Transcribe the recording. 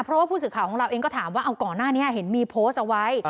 เพราะว่าผู้สื่อข่าวของเราเองก็ถามว่าเอาก่อนหน้านี้เห็นมีโพสต์เอาไว้